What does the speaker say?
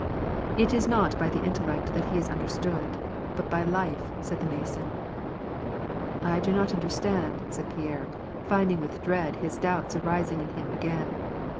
" It is not by the intellect that He is understood, but by life," said the Mason. "I do not understand," said Pierre, finding with dread his doubts arising in him again.